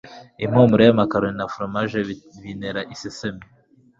impumuro ya macaroni na foromaje bintera isesemi